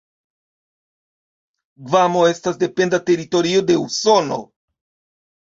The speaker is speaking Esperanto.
Gvamo estas dependa teritorio de Usono.